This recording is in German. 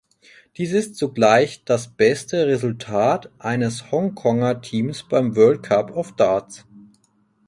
Dies ist zugleich das beste Resultat eines Hongkonger Teams beim World Cup of Darts.